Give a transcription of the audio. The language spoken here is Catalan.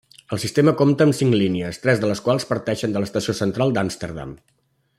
El sistema compta amb cinc línies, tres de les quals parteixen de l'Estació Central d'Amsterdam.